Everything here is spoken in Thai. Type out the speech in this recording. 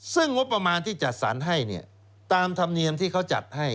ซึ่งงบประมาณที่จัดสรรให้เนี่ยตามธรรมเนียมที่เขาจัดให้